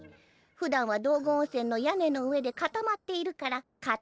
ふだんは道後温泉の屋根の上で固まっているから「カタマ」です。